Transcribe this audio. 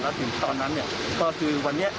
แล้วถึงตอนนั้นเนี่ยก็คือวันนี้